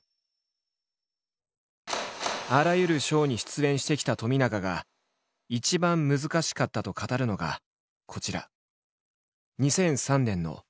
あらゆるショーに出演してきた冨永が一番難しかったと語るのがこちら。